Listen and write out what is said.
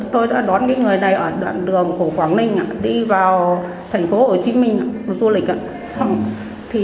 tôi đã đón người này ở đoạn đường của quảng ninh đi vào thành phố hồ chí minh ạ du lịch ạ